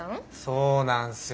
そうなんすよ。